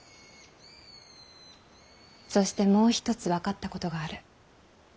そしてもう一つ分かったことがある。